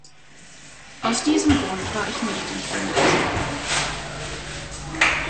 Aus diesem Grund war ich nicht im Plenarsaal.